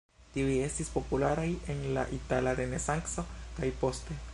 Tiuj estis popularaj en la Itala Renesanco kaj poste.